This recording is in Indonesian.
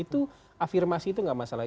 itu afirmasi itu nggak masalah